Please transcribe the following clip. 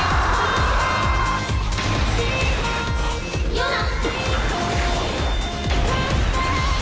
ヨナ！